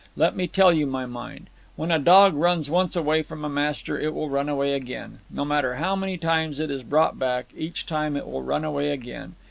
Let me tell you my mind. When a dog runs once away from a master, it will run away again. No matter how many times it is brought back, each time it will run away again.